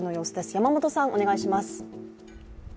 山本さん、お願いします。